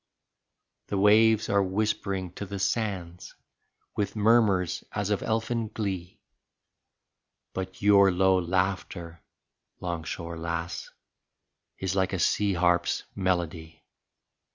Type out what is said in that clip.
The waves are whispering to the sands With murmurs as of elfin glee; But your low laughter, 'longshore lass, Is like a sea harp's melody.